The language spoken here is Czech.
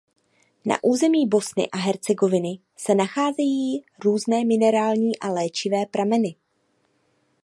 Na území Bosny a Hercegoviny se nacházejí různé minerální a léčivé prameny.